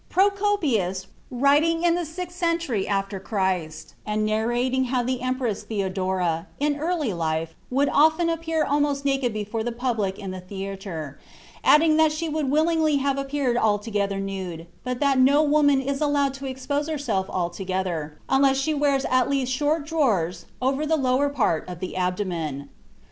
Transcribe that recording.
Procopius, writing in the sixth century after Christ, and narrating how the Empress Theodora, in early life, would often appear almost naked before the public in the theatre, adds that she would willingly have appeared altogether nude, but that "no woman is allowed to expose herself altogether, unless she wears at least short drawers over the lower part of the abdomen."